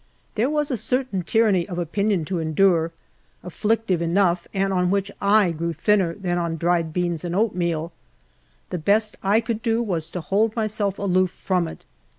There was a certain tyranny of opinion to endure, afflictive enough, and on which I grew thinner than on dried beans and oatmeal ; the best I could do was to hold myself aloof from it.